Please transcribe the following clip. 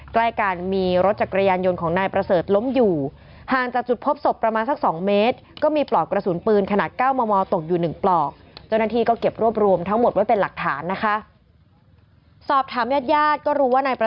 ใกล้การมีรถจักรยานยนต์ของนายประเสริฐล้มอยู่ห่างจากจุดพบศพประมาณสักสองเมตร